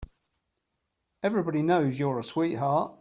Everybody knows you're a sweetheart.